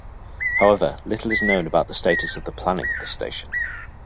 However, little is known about the status of the planning of this station.